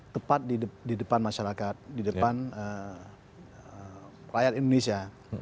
tepat di depan masyarakat di depan rakyat indonesia